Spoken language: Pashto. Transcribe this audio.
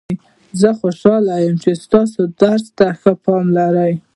زه خوشحاله یم چې تاسو درس ته ښه پام لرئ